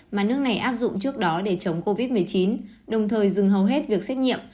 mà nước này áp dụng trước đó để chống covid một mươi chín đồng thời dừng hầu hết việc xét nghiệm